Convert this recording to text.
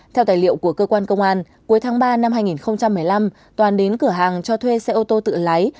theo tài liệu của cơ quan công an cuối tháng ba năm hai nghìn một mươi năm toàn đến cửa hàng cho thuê xe ô tô tự lái